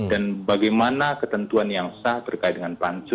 dan bagaimana ketentuan yang sah terkait dengan pancus